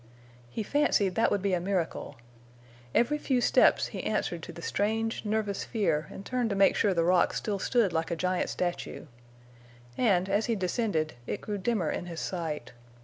He fancied that would be a miracle. Every few steps he answered to the strange, nervous fear and turned to make sure the rock still stood like a giant statue. And, as he descended, it grew dimmer in his sight.